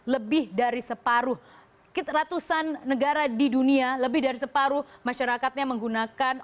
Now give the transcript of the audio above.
lebih dari separuh ratusan negara di dunia lebih dari separuh masyarakatnya menggunakan